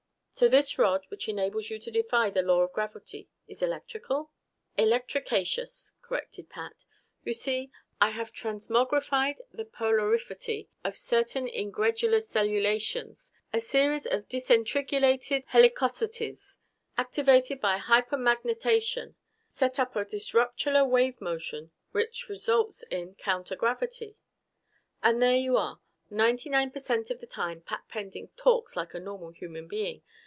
"So this rod, which enables you to defy the law of gravity, is electrical?" "Electricaceous," corrected Pat. "You see, I have transmogrified the polarifity of certain ingredular cellulations. A series of disentrigulated helicosities, activated by hypermagnetation, set up a disruptular wave motion which results in counter gravity!" And there you are! Ninety nine percent of the time Pat Pending talks like a normal human being.